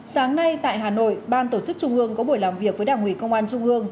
sáng nay tại hà nội ban tổ chức trung ương có buổi làm việc với đảng ủy công an trung ương